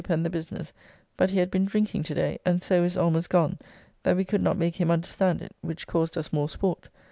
Pen the business, but he had been drinking to day, and so is almost gone, that we could not make him understand it, which caused us more sport.